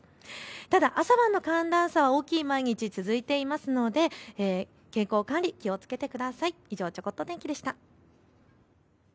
ただ朝晩の寒暖差は大きい毎日続いているので健康管理、気をつけてください。以上ちょこっと天気でした。